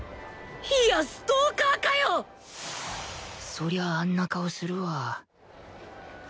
そりゃあんな顔するわ